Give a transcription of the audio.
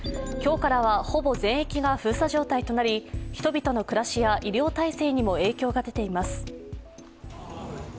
今日からはほぼ全域が封鎖状態となり、人々の暮らしや医療体制にも影響が出ています。